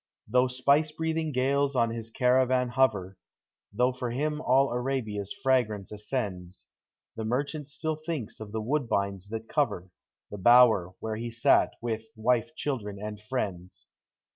Though spice breathing gales on his caravan hover, Though for him all Arabia's fragrance ascends, The merchant still thinks of the woodbines that cover The bower where he sat with — wife, children, and friends.